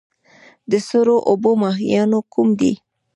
د سړو اوبو ماهیان کوم دي؟